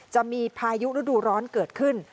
จะมีพายุฤดูร้อนเกิดขึ้น